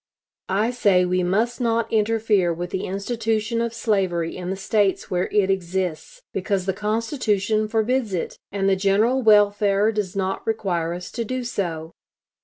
I say we must not interfere with the institution of slavery in the States where it exists, because the Constitution forbids it, and the general welfare does not require us to do so.